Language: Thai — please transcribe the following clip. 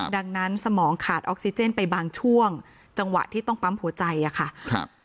ดังนั้นสมองขาดออกซิเจนไปบางช่วงจังหวะที่ต้องปั๊มหัวใจอะค่ะครับ